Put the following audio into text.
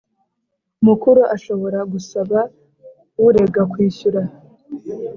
Mukuru ashobora gusaba urega kwishyura